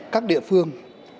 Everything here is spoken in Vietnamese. các địa phương